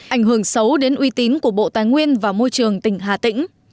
ảnh hưởng xấu đến uy tín của bộ tài nguyên và môi trường tỉnh hà tĩnh